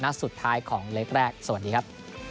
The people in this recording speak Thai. สุดท้ายของเล็กแรกสวัสดีครับ